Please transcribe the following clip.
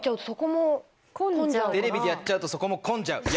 テレビでやっちゃうとそこも混んじゃう？